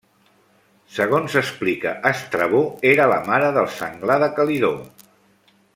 Segons explica Estrabó, era la mare del senglar de Calidó.